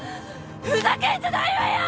ふざけんじゃないわよ！